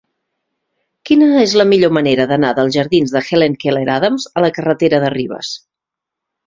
Quina és la millor manera d'anar dels jardins de Helen Keller Adams a la carretera de Ribes?